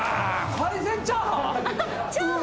海鮮チャーハン？